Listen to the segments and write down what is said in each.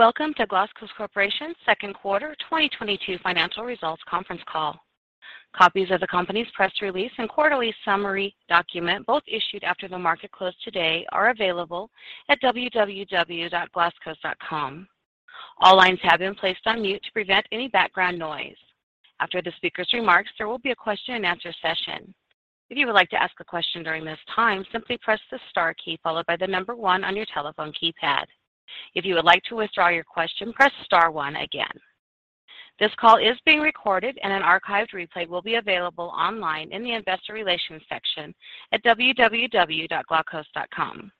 Welcome to Glaukos Corporation's second quarter 2022 financial results conference call. Copies of the company's press release and quarterly summary document, both issued after the market closed today, are available at www.glaukos.com. All lines have been placed on mute to prevent any background noise. After the speaker's remarks, there will be a question and answer session. If you would like to ask a question during this time, simply press the star key followed by the number one on your telephone keypad. If you would like to withdraw your question, press star one again. This call is being recorded and an archived replay will be available online in the investor relations section at www.glaukos.com.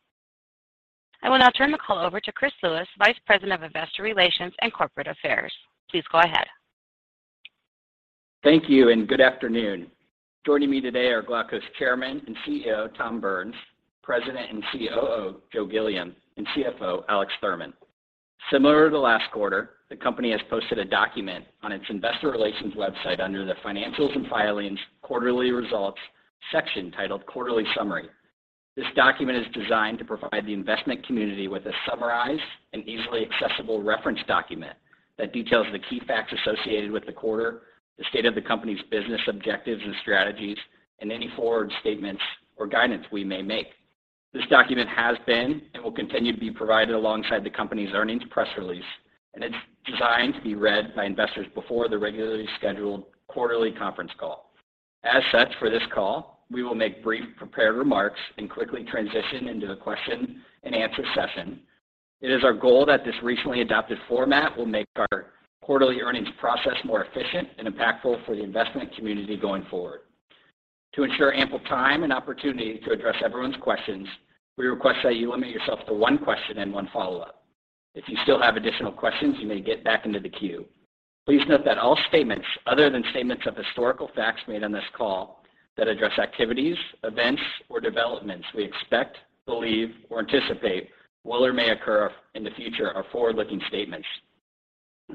I will now turn the call over to Chris Lewis, Vice President of Investor Relations and Corporate Affairs. Please go ahead. Thank you and good afternoon. Joining me today are Glaukos Chairman and CEO, Tom Burns, President and COO, Joe Gilliam, and CFO, Alex Thurman. Similar to last quarter, the company has posted a document on its investor relations website under the Financials and Filings, Quarterly Results section titled Quarterly Summary. This document is designed to provide the investment community with a summarized and easily accessible reference document that details the key facts associated with the quarter, the state of the company's business objectives and strategies, and any forward statements or guidance we may make. This document has been and will continue to be provided alongside the company's earnings press release, and it's designed to be read by investors before the regularly scheduled quarterly conference call. As such, for this call, we will make brief prepared remarks and quickly transition into the question and answer session. It is our goal that this recently adopted format will make our quarterly earnings process more efficient and impactful for the investment community going forward. To ensure ample time and opportunity to address everyone's questions, we request that you limit yourself to one question and one follow-up. If you still have additional questions, you may get back into the queue. Please note that all statements other than statements of historical facts made on this call that address activities, events, or developments we expect, believe, or anticipate will or may occur in the future are forward-looking statements.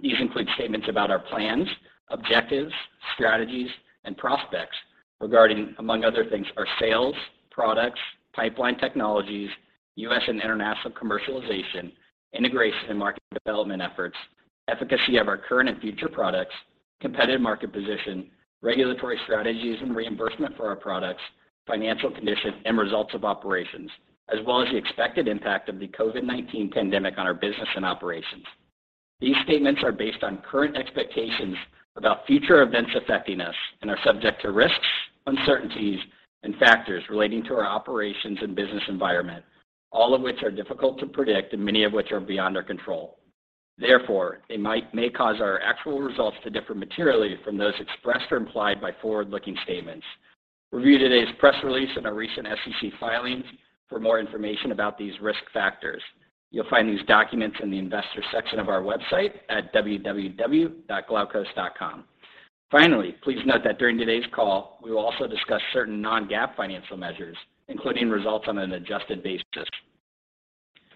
These include statements about our plans, objectives, strategies, and prospects regarding, among other things, our sales, products, pipeline technologies, U.S. and international commercialization, integration and market development efforts, efficacy of our current and future products, competitive market position, regulatory strategies and reimbursement for our products, financial condition and results of operations, as well as the expected impact of the COVID-19 pandemic on our business and operations. These statements are based on current expectations about future events affecting us and are subject to risks, uncertainties and factors relating to our operations and business environment, all of which are difficult to predict and many of which are beyond our control. Therefore, they may cause our actual results to differ materially from those expressed or implied by forward-looking statements. Review today's press release and our recent SEC filings for more information about these risk factors. You'll find these documents in the investor section of our website at www.glaukos.com. Finally, please note that during today's call, we will also discuss certain non-GAAP financial measures, including results on an adjusted basis.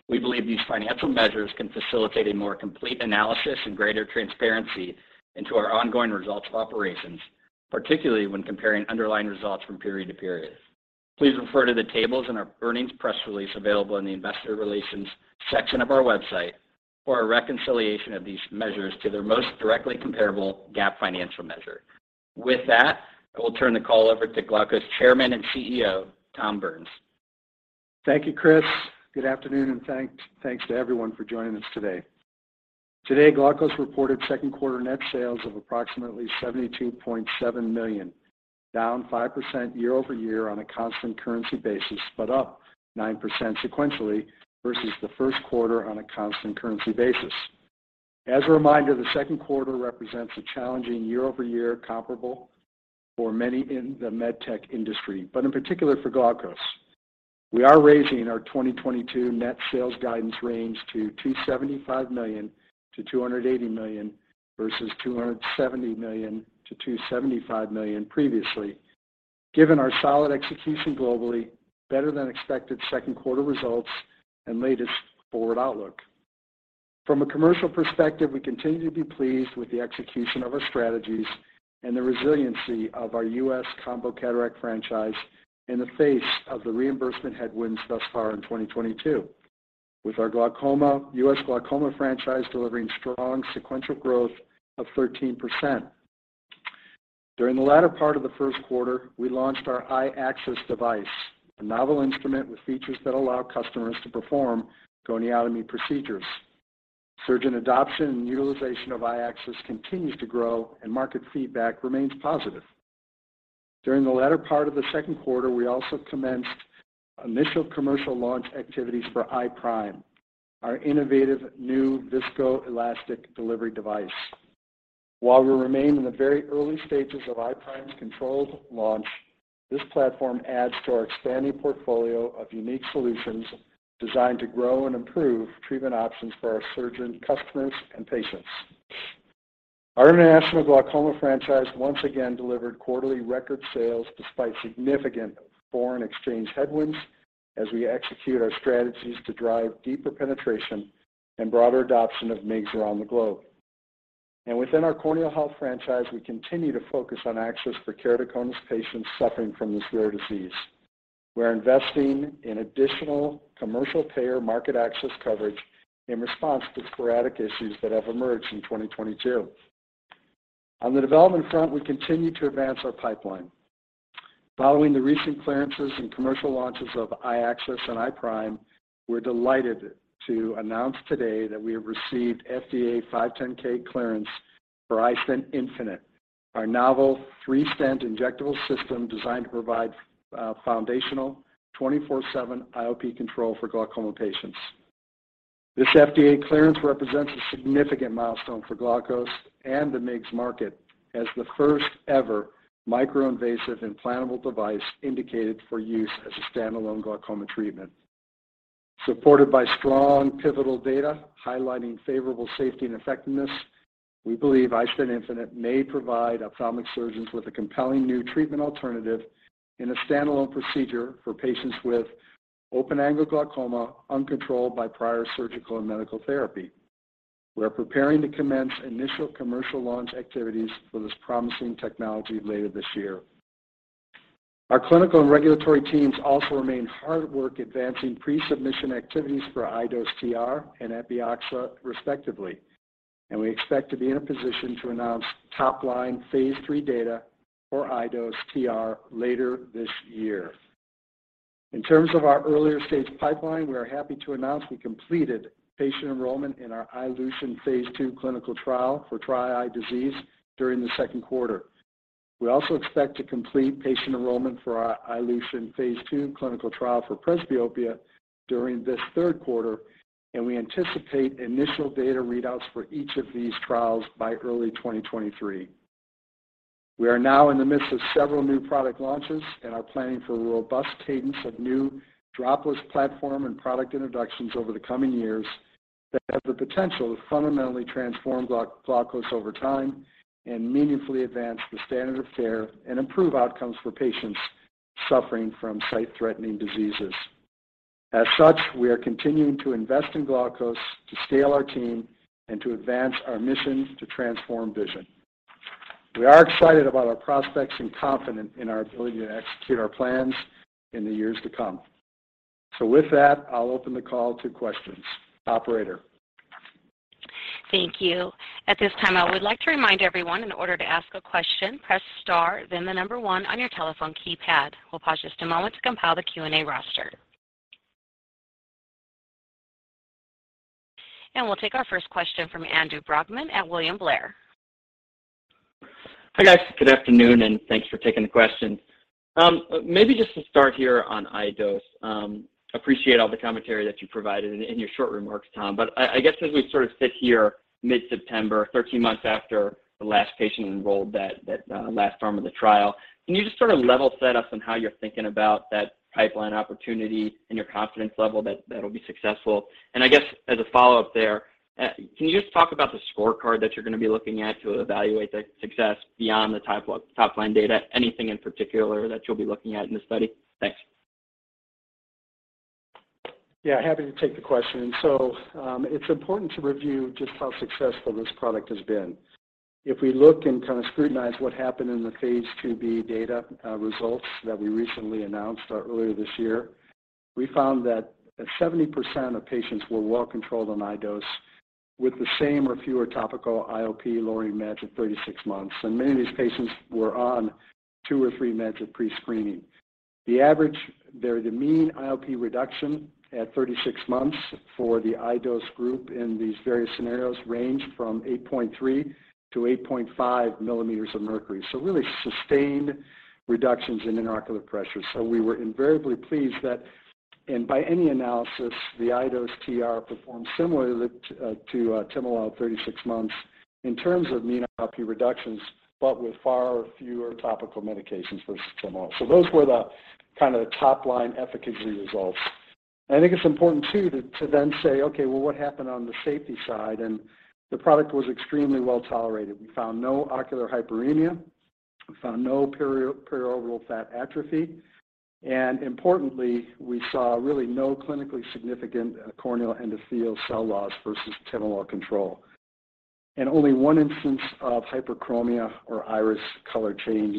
We believe these financial measures can facilitate a more complete analysis and greater transparency into our ongoing results of operations, particularly when comparing underlying results from period to period. Please refer to the tables in our earnings press release available in the investor relations section of our website for a reconciliation of these measures to their most directly comparable GAAP financial measure. With that, I will turn the call over to Glaukos Chairman and CEO, Tom Burns. Thank you, Chris. Good afternoon, and thanks to everyone for joining us today. Today, Glaukos reported second quarter net sales of approximately $72.7 million, down 5% year-over-year on a constant currency basis, but up 9% sequentially versus the first quarter on a constant currency basis. As a reminder, the second quarter represents a challenging year-over-year comparable for many in the med tech industry, but in particular for Glaukos. We are raising our 2022 net sales guidance range to $275 million-$280 million versus $270 million-$275 million previously, given our solid execution globally, better than expected second quarter results and latest forward outlook. From a commercial perspective, we continue to be pleased with the execution of our strategies and the resiliency of our US combo cataract franchise in the face of the reimbursement headwinds thus far in 2022. With our U.S. glaucoma franchise delivering strong sequential growth of 13%. During the latter part of the first quarter, we launched our iAccess device, a novel instrument with features that allow customers to perform gonioscopy procedures. Surgeon adoption and utilization of iAccess continues to grow and market feedback remains positive. During the latter part of the second quarter, we also commenced initial commercial launch activities for iPRIME, our innovative new viscoelastic delivery device. While we remain in the very early stages of iPRIME's controlled launch, this platform adds to our expanding portfolio of unique solutions designed to grow and improve treatment options for our surgeon customers and patients. Our international glaucoma franchise once again delivered quarterly record sales despite significant foreign exchange headwinds as we execute our strategies to drive deeper penetration and broader adoption of MIGS around the globe. Within our corneal health franchise, we continue to focus on access for keratoconus patients suffering from this rare disease. We're investing in additional commercial payer market access coverage in response to the sporadic issues that have emerged in 2022. On the development front, we continue to advance our pipeline. Following the recent clearances and commercial launches of iAccess and iPRIME, we're delighted to announce today that we have received FDA 510(k) clearance for iStent infinite, our novel three-stent injectable system designed to provide foundational 24/7 IOP control for glaucoma patients. This FDA clearance represents a significant milestone for Glaukos and the MIGS market as the first-ever microinvasive implantable device indicated for use as a stand-alone glaucoma treatment. Supported by strong pivotal data highlighting favorable safety and effectiveness, we believe iStent infinite may provide ophthalmic surgeons with a compelling new treatment alternative in a stand-alone procedure for patients with open-angle glaucoma uncontrolled by prior surgical and medical therapy. We are preparing to commence initial commercial launch activities for this promising technology later this year. Our clinical and regulatory teams also remain hard at work advancing pre-submission activities for iDose TR and Epioxa respectively, and we expect to be in a position to announce top-line phase III data for iDose TR later this year. In terms of our earlier-stage pipeline, we are happy to announce we completed patient enrollment in our iLution phase II clinical trial for dry eye disease during the second quarter. We also expect to complete patient enrollment for our iLution phase II clinical trial for presbyopia during this third quarter, and we anticipate initial data readouts for each of these trials by early 2023. We are now in the midst of several new product launches and are planning for a robust cadence of new dropless platform and product introductions over the coming years that have the potential to fundamentally transform Glaukos over time and meaningfully advance the standard of care and improve outcomes for patients suffering from sight-threatening diseases. As such, we are continuing to invest in Glaukos to scale our team and to advance our mission to transform vision. We are excited about our prospects and confident in our ability to execute our plans in the years to come. With that, I'll open the call to questions. Operator. Thank you. At this time, I would like to remind everyone in order to ask a question, press star, then the number one on your telephone keypad. We'll pause just a moment to compile the Q&A roster. We'll take our first question from Andy Brackmann at William Blair. Hi, guys. Good afternoon, and thanks for taking the question. Maybe just to start here on iDose. Appreciate all the commentary that you provided in your short remarks, Tom. I guess as we sort of sit here mid-September, 13 months after the last patient enrolled that last arm of the trial, can you just sort of level set us on how you're thinking about that pipeline opportunity and your confidence level that that'll be successful? I guess as a follow-up there, can you just talk about the scorecard that you're going to be looking at to evaluate the success beyond the top-line data? Anything in particular that you'll be looking at in the study? Thanks. Yeah, happy to take the question. It's important to review just how successful this product has been. If we look and kind of scrutinize what happened in the phase II-B data, results that we recently announced earlier this year, we found that 70% of patients were well controlled on iDose with the same or fewer topical IOP-lowering meds at 36 months, and many of these patients were on two or three meds at pre-screening. The mean IOP reduction at 36 months for the iDose group in these various scenarios ranged from 8.3 mm to 8.5 mm of mercury. Really sustained reductions in intraocular pressure. We were invariably pleased that, and by any analysis, the iDose TR performed similarly to timolol at 36 months in terms of mean IOP reductions, but with far fewer topical medications versus timolol. Those were the kind of top-line efficacy results. I think it's important too to then say, okay, well, what happened on the safety side? The product was extremely well tolerated. We found no ocular hyperemia. We found no periorbital fat atrophy. Importantly, we saw really no clinically significant corneal endothelial cell loss versus timolol control. Only one instance of heterochromia or iris color change.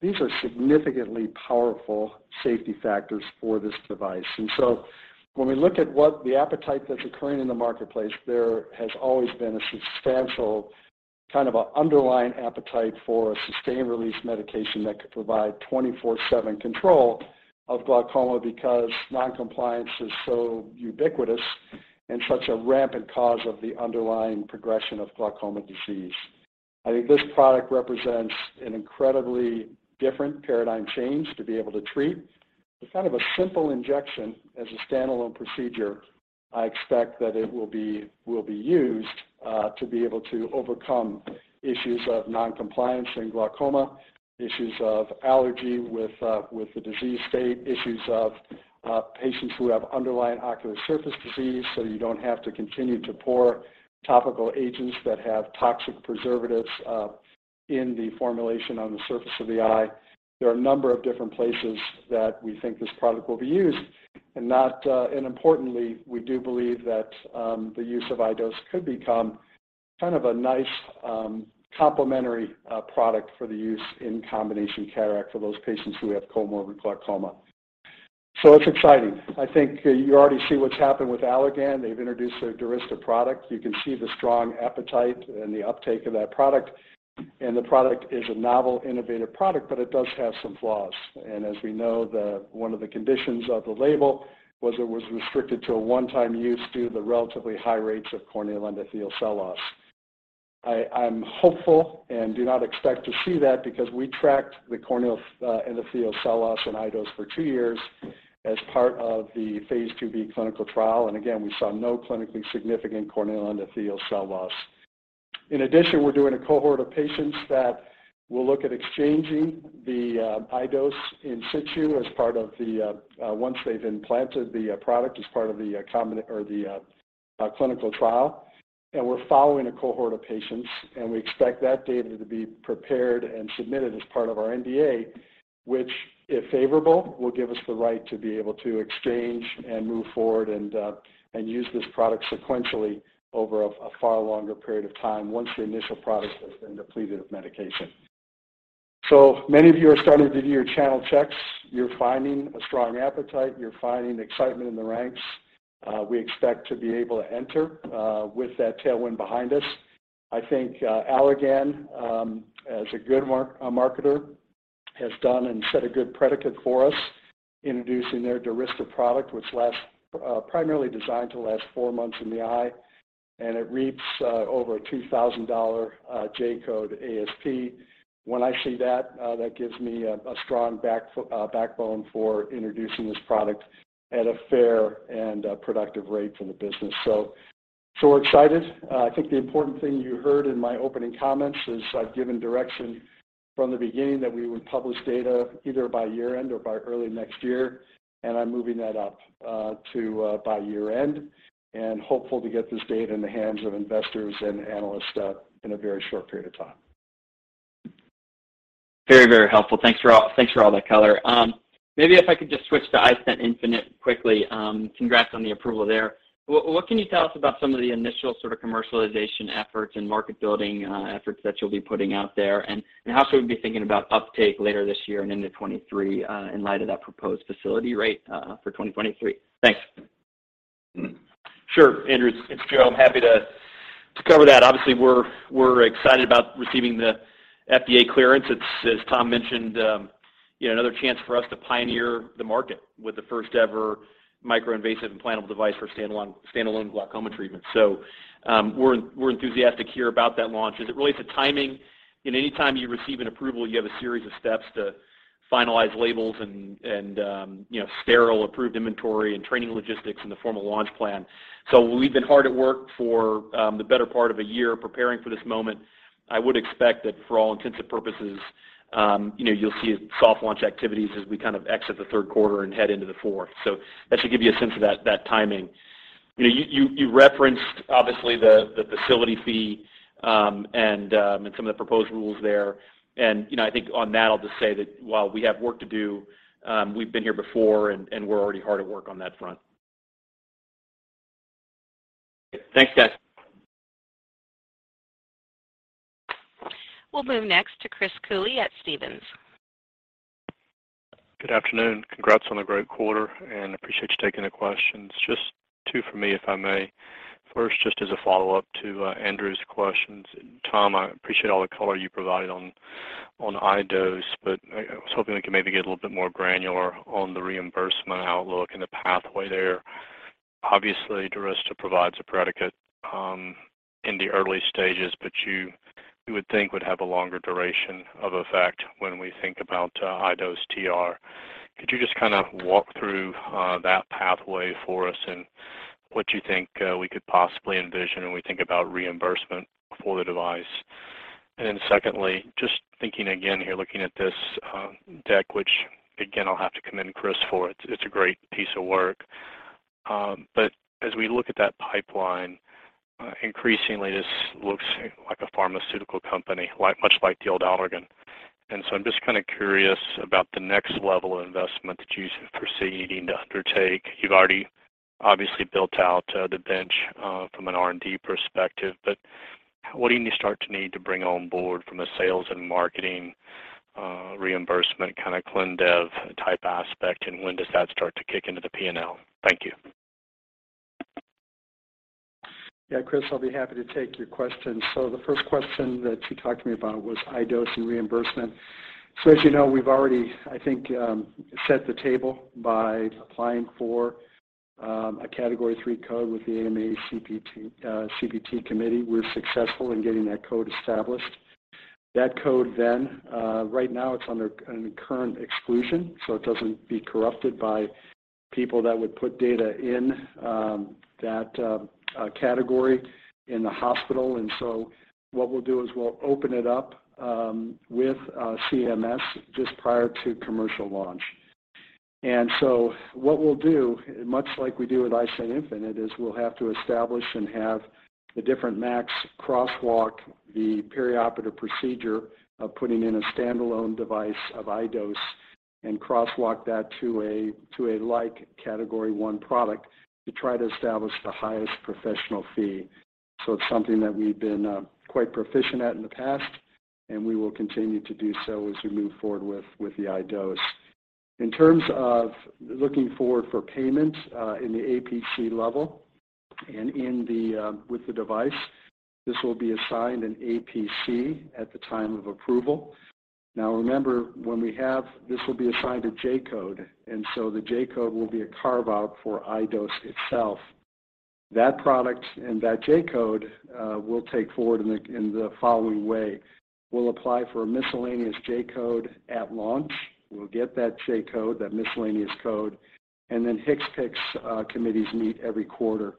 These are significantly powerful safety factors for this device. When we look at what the appetite that's occurring in the marketplace, there has always been a substantial kind of a underlying appetite for a sustained-release medication that could provide 24/7 control of glaucoma because noncompliance is so ubiquitous and such a rampant cause of the underlying progression of glaucoma disease. I think this product represents an incredibly different paradigm change to be able to treat. With kind of a simple injection as a standalone procedure, I expect that it will be used to be able to overcome issues of noncompliance in glaucoma, issues of allergy with with the disease state, issues of patients who have underlying ocular surface disease, so you don't have to continue to pour topical agents that have toxic preservatives in the formulation on the surface of the eye. There are a number of different places that we think this product will be used. Importantly, we do believe that the use of iDose could become kind of a nice complementary product for the use in combination cataract for those patients who have comorbid glaucoma. It's exciting. I think you already see what's happened with Allergan. They've introduced their DURYSTA product. You can see the strong appetite and the uptake of that product. The product is a novel, innovative product, but it does have some flaws. As we know, one of the conditions of the label was it was restricted to a one-time use due to the relatively high rates of corneal endothelial cell loss. I'm hopeful and do not expect to see that because we tracked the corneal endothelial cell loss in iDose for two years as part of the phase II-B clinical trial. Again, we saw no clinically significant corneal endothelial cell loss. In addition, we're doing a cohort of patients that will look at exchanging the iDose in situ once they've implanted the product as part of the clinical trial. We're following a cohort of patients, and we expect that data to be prepared and submitted as part of our NDA, which, if favorable, will give us the right to be able to exchange and move forward and use this product sequentially over a far longer period of time once the initial product has been depleted of medication. Many of you are starting to do your channel checks. You're finding a strong appetite. You're finding excitement in the ranks. We expect to be able to enter with that tailwind behind us. I think Allergan, as a good marketer, has done and set a good predicate for us, introducing their DURYSTA product, which lasts, primarily designed to last four months in the eye, and it reaps over $2,000 J-code ASP. When I see that gives me a strong backbone for introducing this product at a fair and productive rate for the business. We're excited. I think the important thing you heard in my opening comments is I've given direction from the beginning that we would publish data either by year-end or by early next year, and I'm moving that up to by year-end and hopeful to get this data in the hands of investors and analysts in a very short period of time. Very, very helpful. Thanks for all that color. Maybe if I could just switch to iStent infinite quickly. Congrats on the approval there. What can you tell us about some of the initial sort of commercialization efforts and market building efforts that you'll be putting out there? And how should we be thinking about uptake later this year and into 2023, in light of that proposed facility rate for 2023? Thanks. Sure, Andy. It's Joe. I'm happy to cover that. Obviously, we're excited about receiving the FDA clearance. It's, as Tom Burns mentioned, you know, another chance for us to pioneer the market with the first ever micro-invasive implantable device for standalone glaucoma treatment. We're enthusiastic here about that launch. As it relates to timing, you know, anytime you receive an approval, you have a series of steps to finalize labels and, you know, sterile approved inventory and training logistics in the formal launch plan. We've been hard at work for the better part of a year preparing for this moment. I would expect that for all intents and purposes, you know, you'll see soft launch activities as we kind of exit the third quarter and head into the fourth. That should give you a sense of that timing. You know, you referenced obviously the facility fee, and some of the proposed rules there. You know, I think on that I'll just say that while we have work to do, we've been here before and we're already hard at work on that front. Thanks, guys. We'll move next to Chris Cooley at Stephens. Good afternoon. Congrats on the great quarter, and appreciate you taking the questions. Just two for me, if I may. First, just as a follow-up to Adam's questions. Tom, I appreciate all the color you provided on iDose, but I was hoping we could maybe get a little bit more granular on the reimbursement outlook and the pathway there. Obviously, DURYSTA provides a predicate in the early stages, but you would think would have a longer duration of effect when we think about iDose TR. Could you just kind of walk through that pathway for us and what you think we could possibly envision when we think about reimbursement for the device? Then secondly, just thinking again here, looking at this deck, which again, I'll have to commend Chris for. It's a great piece of work. As we look at that pipeline, increasingly this looks like a pharmaceutical company, like much like the old Allergan. I'm just kind of curious about the next level of investment that you foresee needing to undertake. You've already obviously built out the bench from an R&D perspective, but what do you start to need to bring on board from a sales and marketing, reimbursement kind of clin dev type aspect? When does that start to kick into the P&L? Thank you. Yeah, Chris, I'll be happy to take your questions. The first question that you talked to me about was iDose and reimbursement. As you know, we've already, I think, set the table by applying for a Category III code with the AMA CPT committee. We're successful in getting that code established. That code then, right now it's under current exclusion, so it doesn't be corrupted by people that would put data in that category in the hospital. What we'll do is we'll open it up with CMS just prior to commercial launch. What we'll do, much like we do with iStent infinite, is we'll have to establish and have the different MACs crosswalk the perioperative procedure of putting in a standalone device of iDose and crosswalk that to a like category one product to try to establish the highest professional fee. It's something that we've been quite proficient at in the past, and we will continue to do so as we move forward with the iDose. In terms of looking forward for payment, in the APC level and with the device, this will be assigned an APC at the time of approval. Now remember. This will be assigned a J-code, the J-code will be a carve-out for iDose itself. That product and that J-code, we'll take forward in the following way. We'll apply for a miscellaneous J-code at launch. We'll get that J-code, that miscellaneous code, and then HCPCS committees meet every quarter.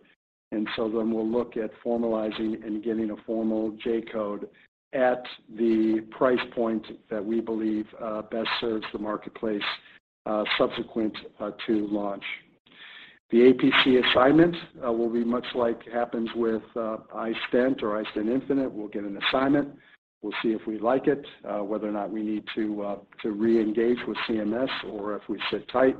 We'll look at formalizing and getting a formal J-code at the price point that we believe best serves the marketplace, subsequent to launch. The APC assignment will be much like happens with iStent or iStent infinite. We'll get an assignment, we'll see if we like it, whether or not we need to re-engage with CMS or if we sit tight.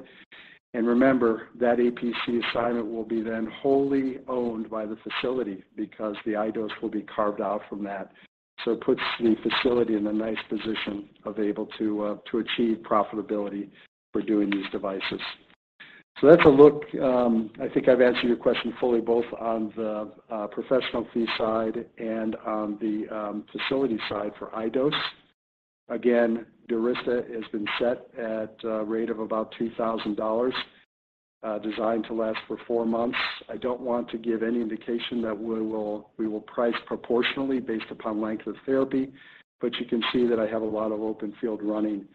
Remember, that APC assignment will be then wholly owned by the facility because the iDose will be carved out from that. It puts the facility in a nice position of able to achieve profitability for doing these devices. That's a look. I think I've answered your question fully, both on the professional fee side and on the facility side for iDose. Again, DURYSTA has been set at a rate of about $2,000, designed to last for four months. I don't want to give any indication that we will price proportionally based upon length of therapy, but you can see that I have a lot of open field running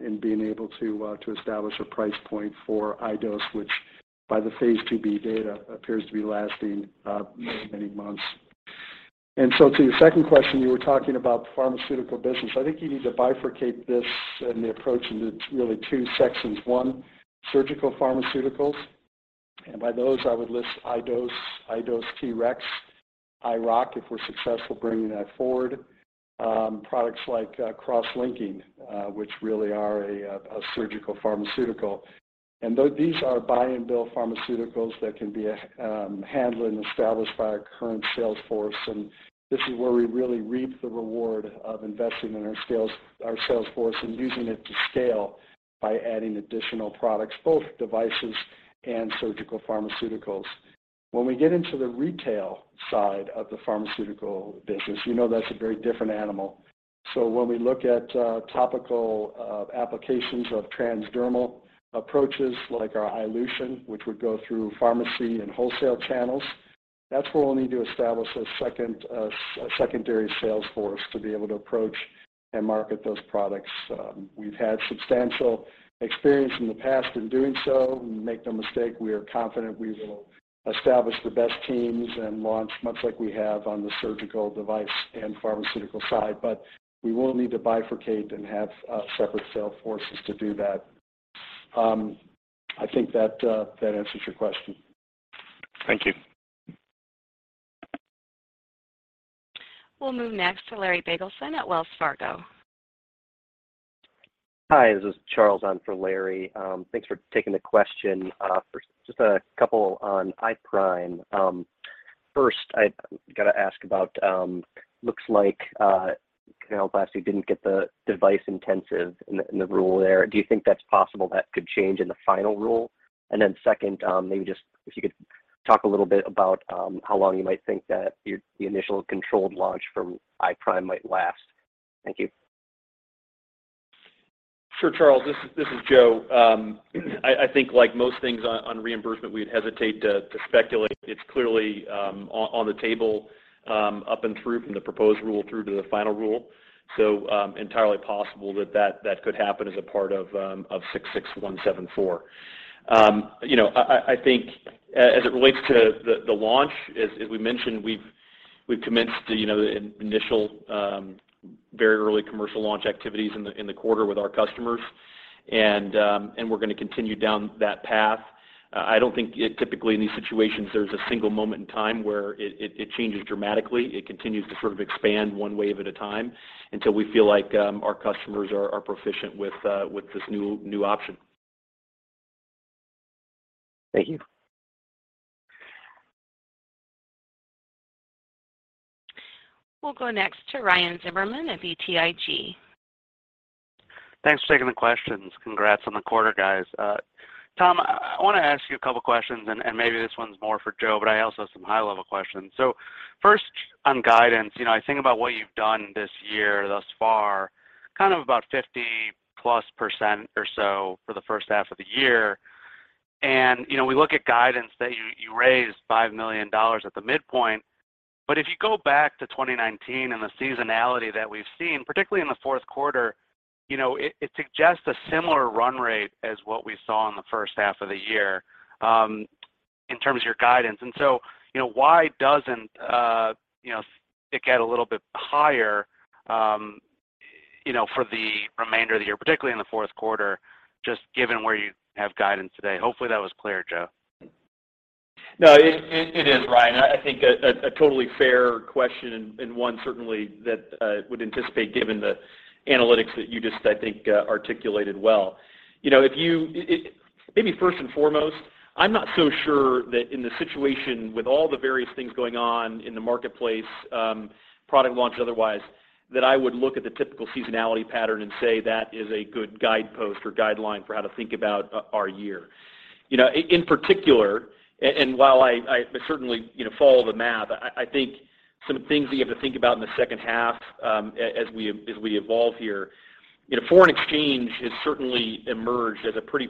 in being able to establish a price point for iDose, which by the phase II-B data appears to be lasting many, many months. To your second question, you were talking about pharmaceutical business. I think you need to bifurcate this and the approach into really two sections. One, surgical pharmaceuticals, and by those I would list iDose TREX, iRock, if we're successful bringing that forward. Products like cross-linking, which really are a surgical pharmaceutical. These are buy-and-bill pharmaceuticals that can be handled and established by our current sales force. This is where we really reap the reward of investing in our sales, our sales force and using it to scale by adding additional products, both devices and surgical pharmaceuticals. When we get into the retail side of the pharmaceutical business, you know that's a very different animal. When we look at topical applications of transdermal approaches like our iLution, which would go through pharmacy and wholesale channels, that's where we'll need to establish a second sales force to be able to approach and market those products. We've had substantial experience in the past in doing so. Make no mistake, we are confident we will establish the best teams and launch much like we have on the surgical device and pharmaceutical side. We will need to bifurcate and have separate sales forces to do that. I think that answers your question. Thank you. We'll move next to Larry Biegelsen at Wells Fargo. Hi, this is Charles on for Larry. Thanks for taking the question. For just a couple on iPRIME. First I gotta ask about, looks like, canaloplasty didn't get the device-intensive in the rule there. Do you think that's possible that could change in the final rule? Then second, maybe just if you could talk a little bit about, how long you might think that your, the initial controlled launch from iPRIME might last. Thank you. Sure, Charles, this is Joe. I think like most things on reimbursement, we'd hesitate to speculate. It's clearly on the table up and through from the proposed rule through to the final rule. Entirely possible that could happen as a part of 66174. You know, I think as it relates to the launch, as we mentioned, we've commenced you know, initial very early commercial launch activities in the quarter with our customers. We're gonna continue down that path. I don't think it typically in these situations, there's a single moment in time where it changes dramatically. It continues to sort of expand one wave at a time until we feel like our customers are proficient with this new option. Thank you. We'll go next to Ryan Zimmerman of BTIG. Thanks for taking the questions. Congrats on the quarter, guys. Tom, I want to ask you a couple questions, and maybe this one's more for Joe, but I also have some high-level questions. First on guidance, you know, I think about what you've done this year thus far, kind of about 50% or so for the first half of the year. You know, we look at guidance that you raised $5 million at the midpoint. If you go back to 2019 and the seasonality that we've seen, particularly in the fourth quarter, you know, it suggests a similar run rate as what we saw in the first half of the year, in terms of your guidance. You know, why doesn't, you know, it get a little bit higher, you know, for the remainder of the year, particularly in the fourth quarter, just given where you have guidance today? Hopefully, that was clear, Joe. No, it is, Ryan. I think a totally fair question and one certainly that would anticipate given the analytics that you just, I think, articulated well. You know, maybe first and foremost, I'm not so sure that in the situation with all the various things going on in the marketplace, product launch otherwise, that I would look at the typical seasonality pattern and say that is a good guidepost or guideline for how to think about our year. You know, in particular, and while I certainly, you know, follow the math, I think some things that you have to think about in the second half, as we evolve here, you know, foreign exchange has certainly emerged as a pretty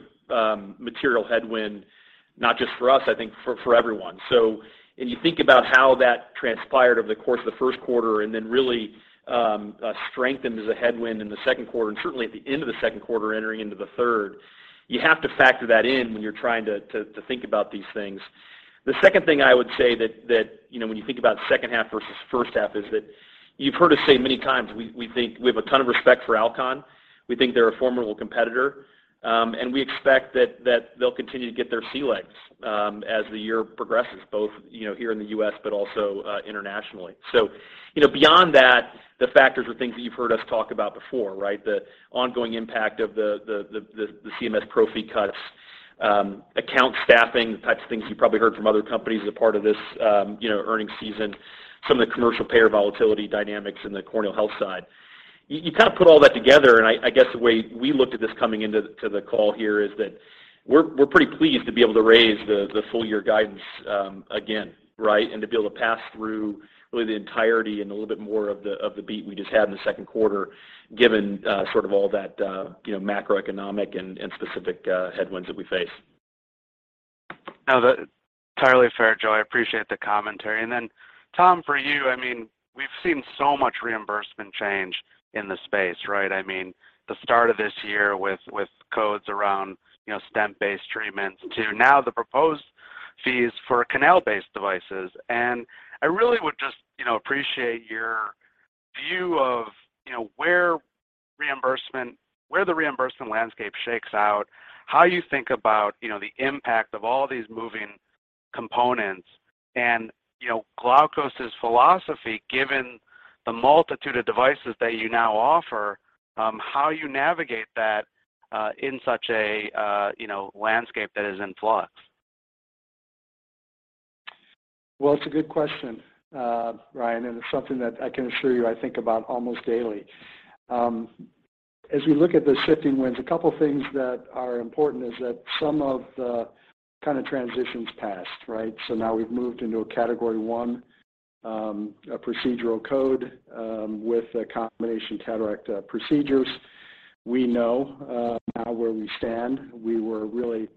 material headwind, not just for us, I think for everyone. When you think about how that transpired over the course of the first quarter and then really strengthened as a headwind in the second quarter, and certainly at the end of the second quarter entering into the third, you have to factor that in when you're trying to think about these things. The second thing I would say that you know when you think about second half versus first half is that you've heard us say many times we think we have a ton of respect for Alcon. We think they're a formidable competitor, and we expect that they'll continue to get their sea legs as the year progresses, both you know here in the U.S., but also internationally. You know beyond that, the factors are things that you've heard us talk about before, right? The ongoing impact of the CMS pro fee cuts, account staffing, the types of things you probably heard from other companies as a part of this, you know, earnings season, some of the commercial payer volatility dynamics in the corneal health side. You kind of put all that together, and I guess the way we looked at this coming into the call here is that we're pretty pleased to be able to raise the full year guidance, again, right? To be able to pass through really the entirety and a little bit more of the beat we just had in the second quarter, given sort of all that, you know, macroeconomic and specific headwinds that we face. No, that's entirely fair, Joe. I appreciate the commentary. Then Tom, for you, I mean, we've seen so much reimbursement change in the space, right? I mean, the start of this year with codes around, you know, stent-based treatments to now the proposed fees for canal-based devices. I really would just, you know, appreciate your view of, you know, where the reimbursement landscape shakes out, how you think about, you know, the impact of all these moving components and, you know, Glaukos' philosophy, given the multitude of devices that you now offer, how you navigate that in such a, you know, landscape that is in flux. Well, it's a good question, Ryan, and it's something that I can assure you I think about almost daily. As we look at the shifting winds, a couple things that are important is that some of the kind of transitions passed, right? Now we've moved into a category one procedural code with a combination cataract procedures. We know now where we stand. We were really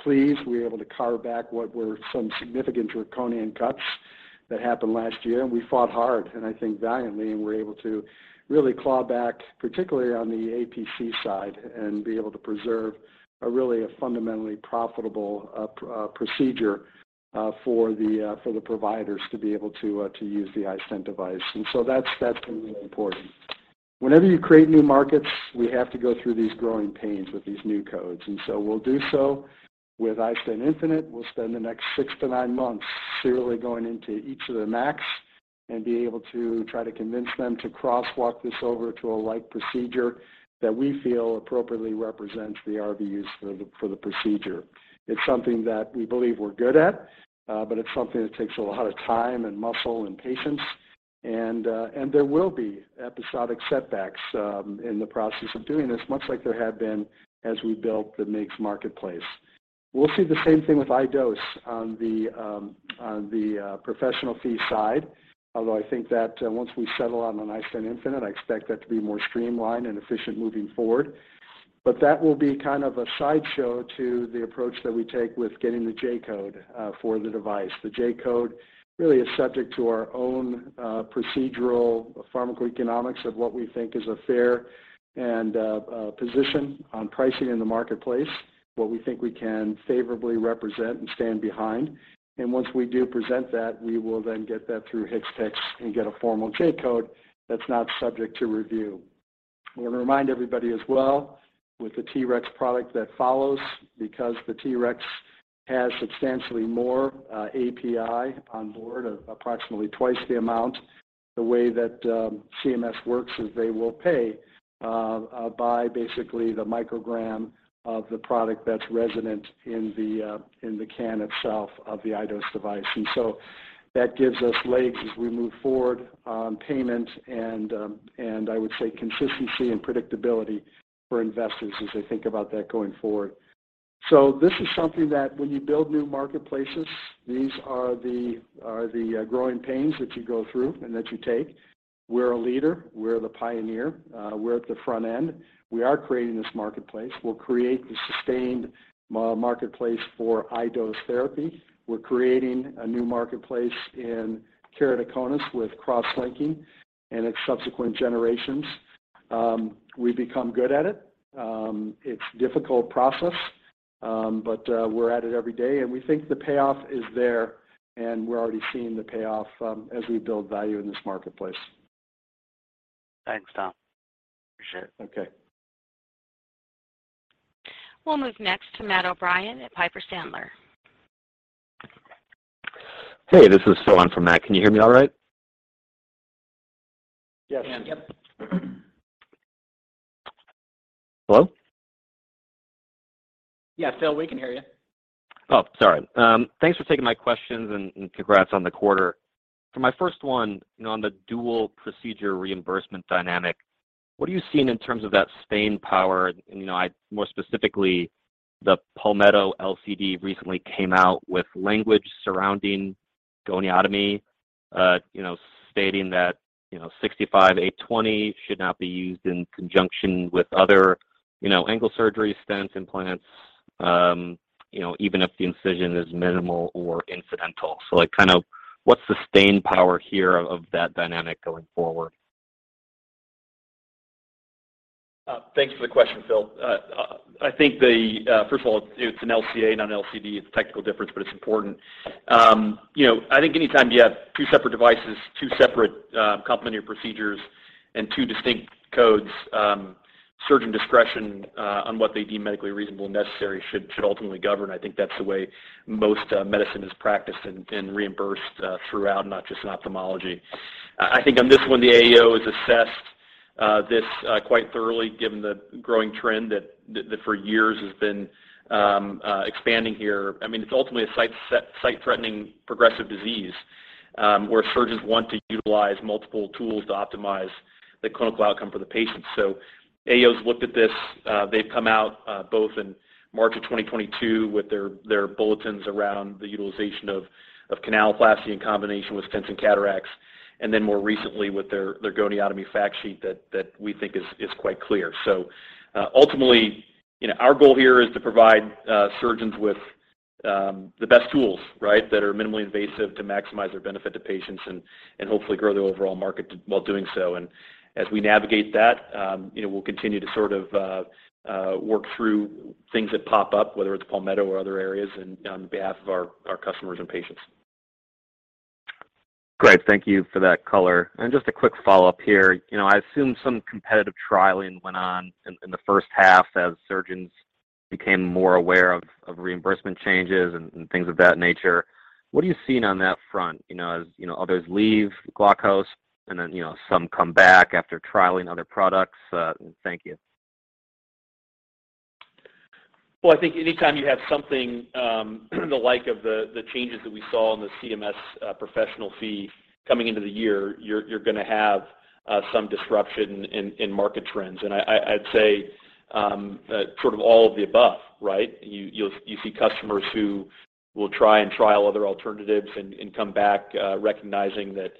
pleased. We were able to carve back what were some significant draconian cuts that happened last year, and we fought hard and I think valiantly, and were able to really claw back, particularly on the APC side and be able to preserve a really a fundamentally profitable procedure for the providers to be able to use the iStent device. That's been really important. Whenever you create new markets, we have to go through these growing pains with these new codes, and so we'll do so with iStent infinite. We'll spend the next 6-9 months serially going into each of the MACs and be able to try to convince them to crosswalk this over to a like procedure that we feel appropriately represents the RVUs for the procedure. It's something that we believe we're good at, but it's something that takes a lot of time and muscle and patience and there will be episodic setbacks in the process of doing this, much like there have been as we built the MIGS marketplace. We'll see the same thing with iDose on the professional fee side. Although I think that once we settle on an iStent infinite, I expect that to be more streamlined and efficient moving forward. That will be kind of a sideshow to the approach that we take with getting the J-code for the device. The J-code really is subject to our own procedural pharmacoeconomics of what we think is a fair and position on pricing in the marketplace, what we think we can favorably represent and stand behind. Once we do present that, we will then get that through HCPCS and get a formal J-code that's not subject to review. I wanna remind everybody as well with the T-Rex product that follows, because the T-Rex has substantially more API on board, approximately twice the amount. The way that CMS works is they will pay by basically the microgram of the product that's resident in the cannula itself of the iDose device. That gives us legs as we move forward on payment and I would say consistency and predictability for investors as they think about that going forward. This is something that when you build new marketplaces, these are the growing pains that you go through and that you take. We're a leader, we're the pioneer, we're at the front end. We are creating this marketplace. We'll create the sustained marketplace for high-dose therapy. We're creating a new marketplace in keratoconus with cross-linking and its subsequent generations. We've become good at it. It's a difficult process, but we're at it every day and we think the payoff is there and we're already seeing the payoff, as we build value in this marketplace. Thanks, Tom. Appreciate it. Okay. We'll move next to Matt O'Brien at Piper Sandler. Hey, this is Phil in for Matt. Can you hear me all right? Yes. Yep. Hello? Yeah, Phil, we can hear you. Oh, sorry. Thanks for taking my questions and congrats on the quarter. For my first one, you know, on the dual procedure reimbursement dynamic, what are you seeing in terms of that staying power? You know, more specifically, the Palmetto LCD recently came out with language surrounding goniotomy, you know, stating that, you know, 65820 should not be used in conjunction with other, you know, angle surgery stent implants, you know, even if the incision is minimal or incidental. Like kind of what's the staying power here of that dynamic going forward? Thanks for the question, Phil. I think first of all, it's an LCA, not an LCD. It's a technical difference, but it's important. You know, I think anytime you have two separate devices, two separate complementary procedures, and two distinct codes, surgeon discretion on what they deem medically reasonable and necessary should ultimately govern. I think that's the way most medicine is practiced and reimbursed throughout, not just in ophthalmology. I think on this one, the AAO has assessed this quite thoroughly given the growing trend that for years has been expanding here. I mean, it's ultimately a sight-threatening progressive disease, where surgeons want to utilize multiple tools to optimize the clinical outcome for the patient. AAO's looked at this, they've come out both in March of 2022 with their bulletins around the utilization of canaloplasty in combination with stents and cataracts, and then more recently with their goniotomy fact sheet that we think is quite clear. Ultimately, you know, our goal here is to provide surgeons with the best tools, right? That are minimally invasive to maximize their benefit to patients and hopefully grow their overall market while doing so. As we navigate that, you know, we'll continue to sort of work through things that pop up, whether it's Palmetto or other areas and on behalf of our customers and patients. Great. Thank you for that color. Just a quick follow-up here. You know, I assume some competitive trialing went on in the first half as surgeons became more aware of reimbursement changes and things of that nature. What are you seeing on that front? You know, as you know, others leave Glaukos and then, you know, some come back after trialing other products. Thank you. Well, I think anytime you have something like the changes that we saw in the CMS professional fee coming into the year, you're gonna have some disruption in market trends. I'd say sort of all of the above, right? You'll see customers who will try and trial other alternatives and come back recognizing that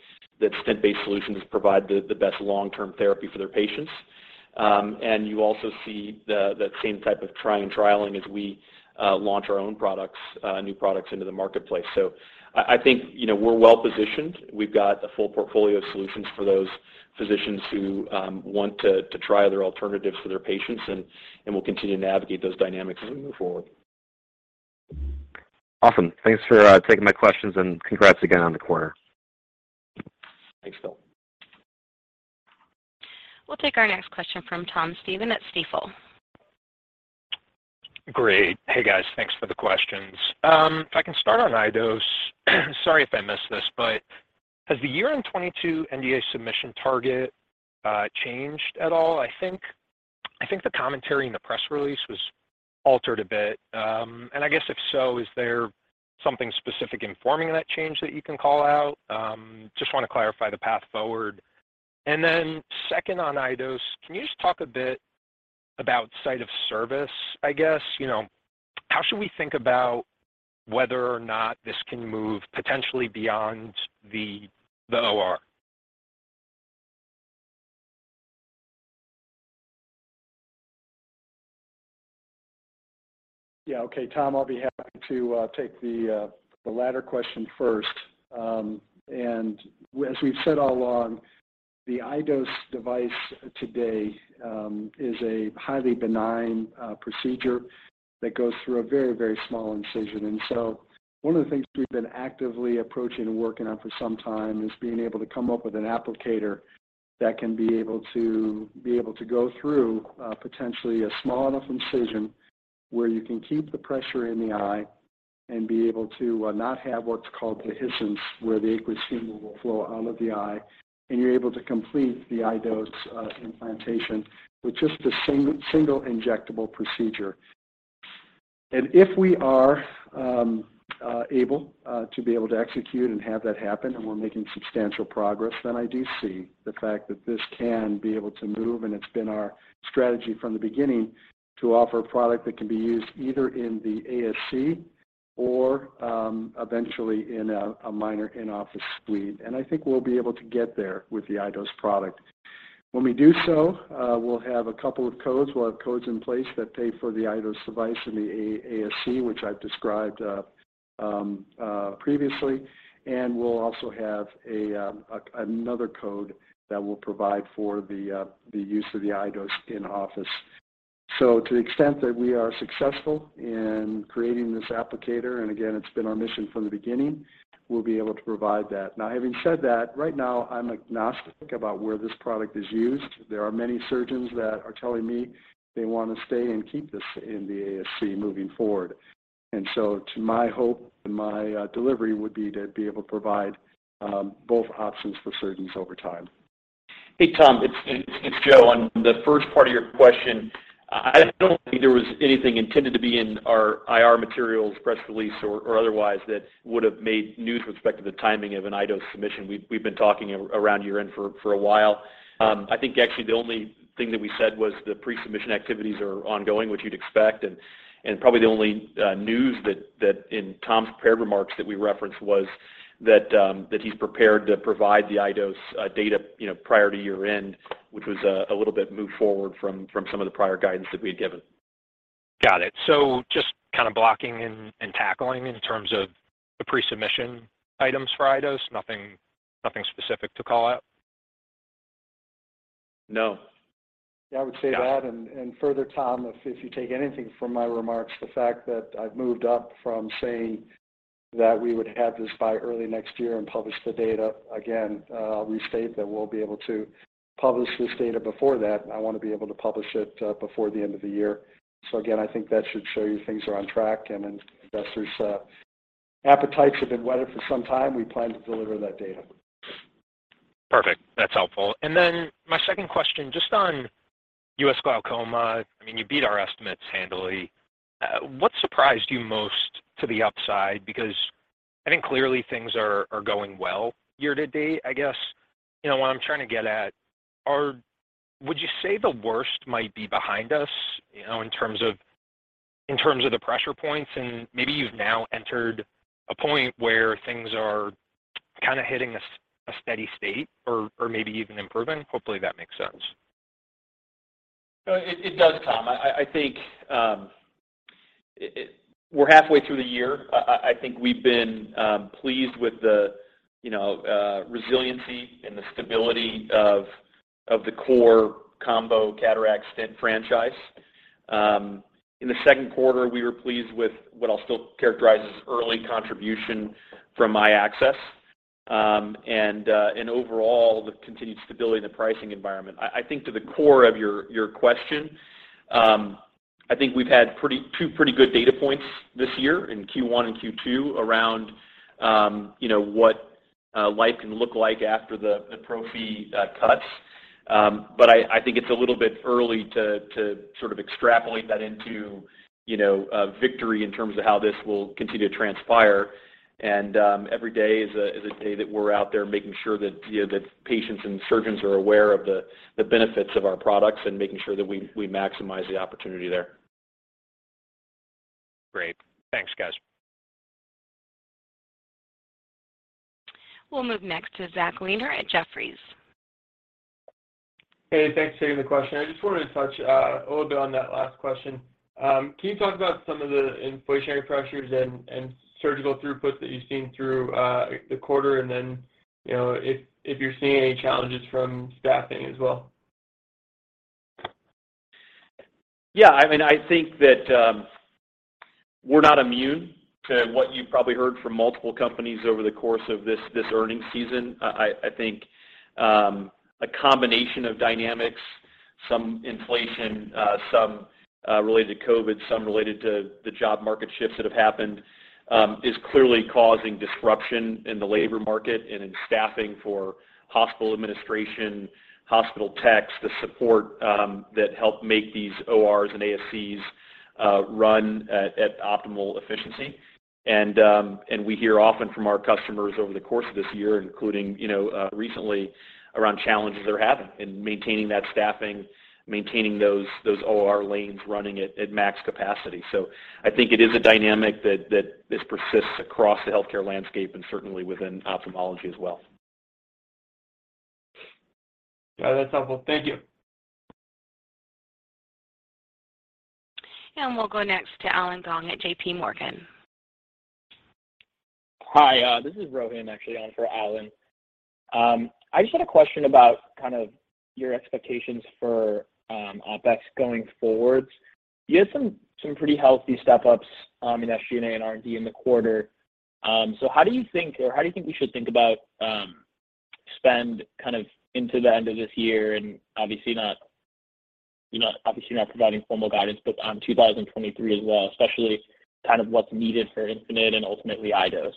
stent-based solutions provide the best long-term therapy for their patients. You also see that same type of trying and trialing as we launch our own new products into the marketplace. I think, you know, we're well-positioned. We've got a full portfolio of solutions for those physicians who want to try other alternatives for their patients, and we'll continue to navigate those dynamics as we move forward. Awesome. Thanks for taking my questions, and congrats again on the quarter. Thanks, Phil. We'll take our next question from Thomas M. Stephan at Stifel. Great. Hey, guys. Thanks for the questions. If I can start on iDose. Sorry if I missed this, but has the year-end 2022 NDA submission target changed at all? I think the commentary in the press release was altered a bit. I guess if so, is there something specific informing that change that you can call out? Just wanna clarify the path forward. Then second on iDose, can you just talk a bit about site of service, I guess? You know, how should we think about whether or not this can move potentially beyond the OR? Yeah. Okay, Tom, I'll be happy to take the latter question first. As we've said all along, the iDose device today is a highly benign procedure that goes through a very, very small incision. One of the things we've been actively approaching and working on for some time is being able to come up with an applicator that can be able to go through potentially a small enough incision where you can keep the pressure in the eye and be able to not have what's called dehiscence, where the aqueous humor will flow out of the eye, and you're able to complete the iDose implantation, which is the single injectable procedure. If we are able to be able to execute and have that happen, and we're making substantial progress, then I do see the fact that this can be able to move, and it's been our strategy from the beginning to offer a product that can be used either in the ASC or eventually in a minor in-office suite. I think we'll be able to get there with the iDose product. When we do so, we'll have a couple of codes. We'll have codes in place that pay for the iDose device in the ASC, which I've described previously. We'll also have another code that will provide for the use of the iDose in office. To the extent that we are successful in creating this applicator, and again, it's been our mission from the beginning, we'll be able to provide that. Now, having said that, right now, I'm agnostic about where this product is used. There are many surgeons that are telling me they wanna stay and keep this in the ASC moving forward. My hope and my delivery would be to be able to provide both options for surgeons over time. Hey, Tom, it's Joe. On the first part of your question, I don't think there was anything intended to be in our IR materials press release or otherwise that would've made news with respect to the timing of an iDose submission. We've been talking around year-end for a while. I think actually the only thing that we said was the pre-submission activities are ongoing, which you'd expect, and probably the only news that in Tom's prepared remarks that we referenced was that he's prepared to provide the iDose data, you know, prior to year-end, which was a little bit moved forward from some of the prior guidance that we had given. Got it. Just kinda blocking and tackling in terms of the pre-submission items for iDose, nothing specific to call out? No. Yeah, I would say that, and further, Tom, if you take anything from my remarks, the fact that I've moved up from saying that we would have this by early next year and publish the data. Again, restate that we'll be able to publish this data before that, and I wanna be able to publish it before the end of the year. Again, I think that should show you things are on track, and investors' appetites have been whetted for some time. We plan to deliver that data. Perfect. That's helpful. Then my second question, just on U.S. glaucoma, I mean, you beat our estimates handily. What surprised you most to the upside? Because I think clearly things are going well year to date. I guess, you know, what I'm trying to get at is would you say the worst might be behind us, you know, in terms of the pressure points, and maybe you've now entered a point where things are kinda hitting a steady state or maybe even improving? Hopefully that makes sense. No, it does, Tom. I think we're halfway through the year. I think we've been pleased with the resiliency and the stability of the core combo cataract stent franchise. In the second quarter we were pleased with what I'll still characterize as early contribution from iAccess. And overall the continued stability in the pricing environment. I think to the core of your question, I think we've had two pretty good data points this year in Q1 and Q2 around what a life can look like after the pro fee cuts. I think it's a little bit early to sort of extrapolate that into a victory in terms of how this will continue to transpire. Every day is a day that we're out there making sure that, you know, that patients and surgeons are aware of the benefits of our products and making sure that we maximize the opportunity there. Great. Thanks, guys. We'll move next to Zachary Weiner at Jefferies. Hey, thanks for taking the question. I just wanted to touch a little bit on that last question. Can you talk about some of the inflationary pressures and surgical throughput that you've seen through the quarter, and then, you know, if you're seeing any challenges from staffing as well? Yeah, I mean, I think that we're not immune to what you probably heard from multiple companies over the course of this earnings season. I think a combination of dynamics, some inflation, some related to COVID, some related to the job market shifts that have happened, is clearly causing disruption in the labor market and in staffing for hospital administration, hospital techs, the support that help make these ORs and ASCs run at optimal efficiency. We hear often from our customers over the course of this year, including, you know, recently around challenges they're having in maintaining that staffing, maintaining those OR lanes running at max capacity. I think it is a dynamic that this persists across the healthcare landscape and certainly within ophthalmology as well. Yeah, that's helpful. Thank you. We'll go next to Allen Gong at JPMorgan. Hi, this is Rohan actually on for Alan. I just had a question about kind of your expectations for OpEx going forward. You had some pretty healthy step-ups in SG&A and R&D in the quarter. So how do you think we should think about spend kind of into the end of this year, and obviously not providing formal guidance, but on 2023 as well, especially kind of what's needed for iStent infinite and ultimately iDose?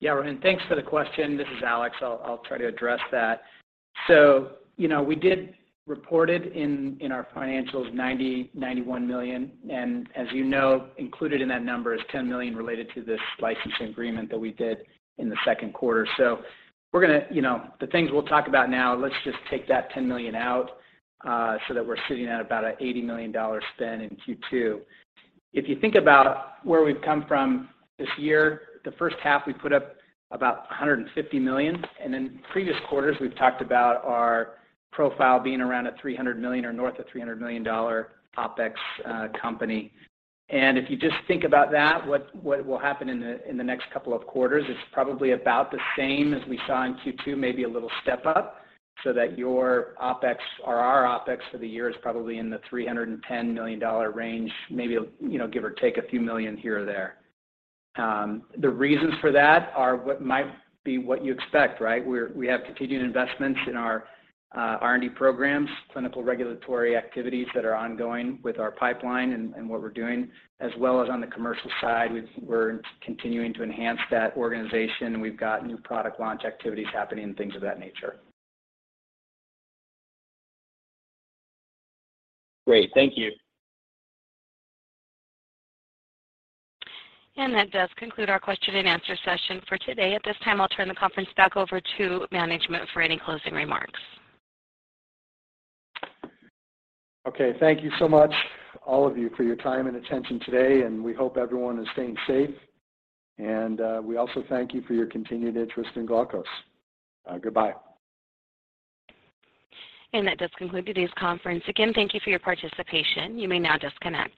Yeah, Rohan, thanks for the question. This is Alex. I'll try to address that. You know, we did report it in our financials, $91 million, and as you know, included in that number is $10 million related to this license agreement that we did in the second quarter. We're gonna, you know, the things we'll talk about now, let's just take that $10 million out, so that we're sitting at about an $80 million spend in Q2. If you think about where we've come from this year, the first half we put up about a $150 million, and in previous quarters we've talked about our profile being around a $300 million or north of $300 million OpEx company. If you just think about that, what will happen in the next couple of quarters, it's probably about the same as we saw in Q2, maybe a little step up, so that your OpEx or our OpEx for the year is probably in the $310 million range, maybe, you know, give or take a few million here or there. The reasons for that are what might be what you expect, right? We have continued investments in our R&D programs, clinical regulatory activities that are ongoing with our pipeline and what we're doing, as well as on the commercial side, we're continuing to enhance that organization. We've got new product launch activities happening and things of that nature. Great. Thank you. That does conclude our question and answer session for today. At this time, I'll turn the conference back over to management for any closing remarks. Okay. Thank you so much, all of you, for your time and attention today, and we hope everyone is staying safe. We also thank you for your continued interest in Glaukos. Goodbye. That does conclude today's conference. Again, thank you for your participation. You may now disconnect.